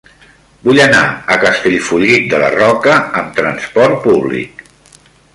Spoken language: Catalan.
Vull anar a Castellfollit de la Roca amb trasport públic.